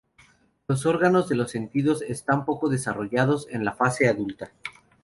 Los órganos de los sentidos están poco desarrollados en la fase adulta.